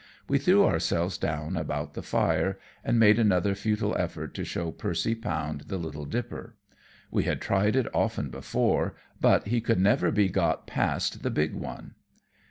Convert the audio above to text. We threw ourselves down about the fire and made another futile effort to show Percy Pound the Little Dipper. We had tried it often before, but he could never be got past the big one.